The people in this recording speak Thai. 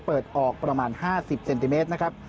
เปิดออกประมาณ๕๐เซนติเมตรนะครับ